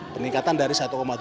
peningkatan dari satu tujuh